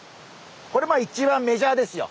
これ一番メジャーですよ。